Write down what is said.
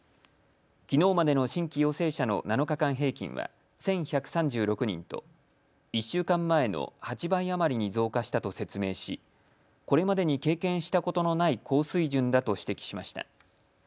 きのうまでの新規陽性者の７日間平均は１１３６人と１週間前の８倍余りに増加したと説明し、これまでに経験したことのない高水準だと指摘しました。